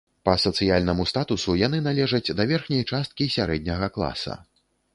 Па сацыяльнаму статусу яны належаць да верхняй часткі сярэдняга класа.